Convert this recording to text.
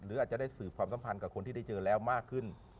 หรืออาจจะได้สืบความสัมพันธ์กับคนที่ได้เจอแล้วมากขึ้น